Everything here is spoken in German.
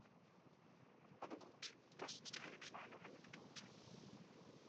Aber gut, das ist eine kleine Anekdote.